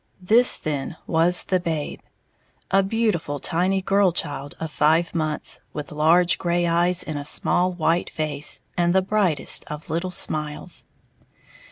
This, then, was "the babe," a beautiful, tiny girl child of five months, with large gray eyes in a small white face, and the brightest of little smiles.